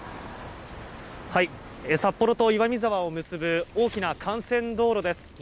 札幌と岩見沢を結ぶ大きな幹線道路です。